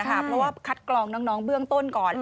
เพราะว่าคัดกรองน้องเบื้องต้นก่อน